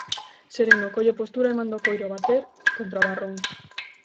Sereno, colle postura e manda o coiro a bater contra o barrón.